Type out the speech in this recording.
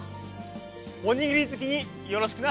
おにぎりずきによろしくな！